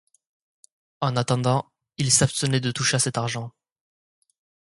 En attendant, il s'abstenait de toucher à cet argent.